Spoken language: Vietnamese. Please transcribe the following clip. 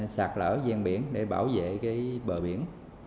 sạt lở giang biển để bảo vệ bờ biển